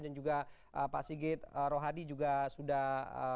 dan juga pak sigit rohadi juga sudah